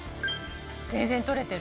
全然取れてる。